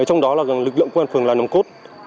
trong đó là lực lượng của đảng phường làm nằm cốt